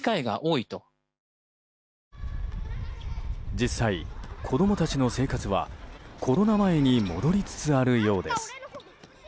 実際、子供たちの生活はコロナ前に戻りつつあるようです。